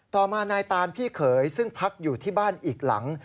ต่อมานายตานพี่เขยซึ่งพักอยู่ที่บ้านอีกหลัง